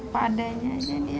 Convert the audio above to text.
padanya aja dia